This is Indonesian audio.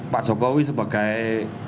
pak jokowi sebagai